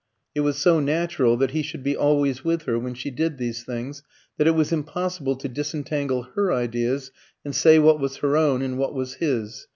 It was so natural that he should be always with her when she did these things, that it was impossible to disentangle her ideas and say what was her own and what was his.